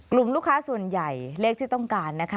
กลุ่มลูกค้าส่วนใหญ่เลขที่ต้องการนะคะ